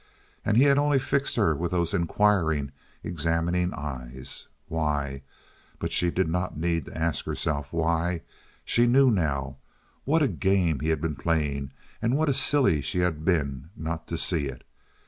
And he had only fixed her with those inquiring, examining eyes. Why? But she did not need to ask herself why. She knew now. What a game he had been playing, and what a silly she had been not to see it.